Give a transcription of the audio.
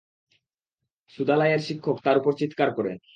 সুদালাইয়ের শিক্ষক তার উপর চিৎকার করে।